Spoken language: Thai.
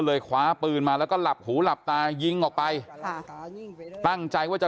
คว้าปืนมาแล้วก็หลับหูหลับตายิงออกไปค่ะตั้งใจว่าจะ